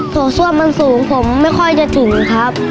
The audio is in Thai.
โถส้วมมันสูงผมไม่ค่อยจะถึงครับ